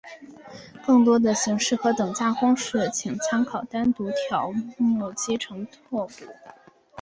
更多的形式和等价公式请参见单独条目乘积拓扑。